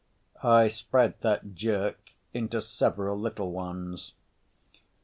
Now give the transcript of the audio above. I spread that jerk into several little ones.